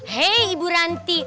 hei ibu ranti